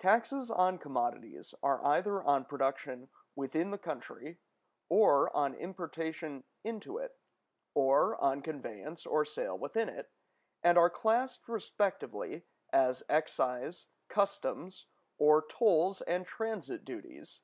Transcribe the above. Taxes on commodities are either on production within the country, or on importation into it, or on conveyance or sale within it, and are classed respectively as excise, customs, or tolls and transit duties.